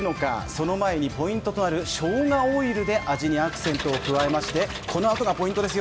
その前にポイントとなるしょうがオイルで味にアクセントを加えまして、このあとがポイントです。